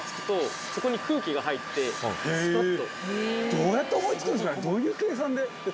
どうやって思い付くんすかね。